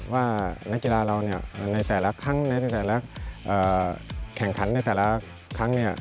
ว่านักกีฬาเราในแต่ละครั้งในแต่ละแข่งขันในแต่ละครั้ง